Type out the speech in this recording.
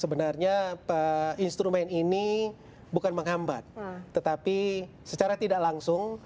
sebenarnya instrumen ini bukan menghambat tetapi secara tidak langsung